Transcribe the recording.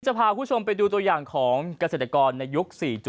พาคุณผู้ชมไปดูตัวอย่างของเกษตรกรในยุค๔๐